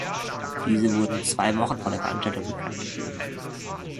Diese wurden zwei Wochen vor der Veranstaltung bekanntgegeben.